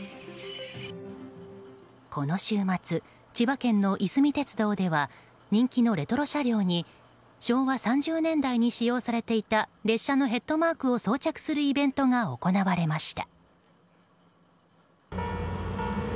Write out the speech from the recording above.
この週末千葉県のいすみ鉄道では人気のレトロ車両に昭和３０年代に使用されていた列車のヘッドマークを装着するイベントが行われました。